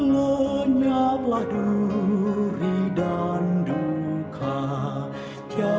lenyaplah duri dan berhati hati